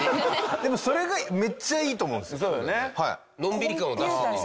でもそれがめっちゃいいと思うんですよ。